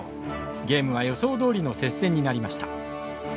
ゲームは予想どおりの接戦になりました。